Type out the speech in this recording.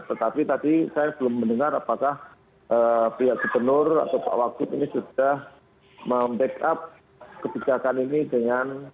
tetapi tadi saya belum mendengar apakah pihak gubernur atau pak wagub ini sudah membackup kebijakan ini dengan